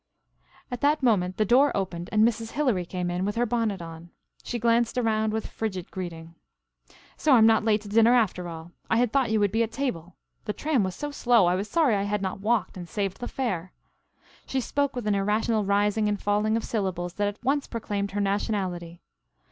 At that moment the door opened and Mrs. Hilary came in with her bonnet on. She glanced around with frigid greeting. "So I'm not late to dinner after all. I had thought you would be at table. The tram was so slow I was sorry I had not walked and saved the fare." She spoke with an irrational rising and falling of syllables that at once proclaimed her nationality.